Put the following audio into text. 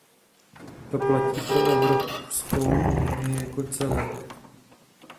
To platí pro Evropskou unii jako celek.